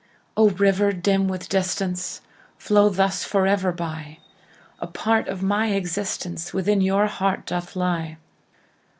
O, river, dim with distance, Flow thus forever by,A part of my existenceWithin your heart doth lie!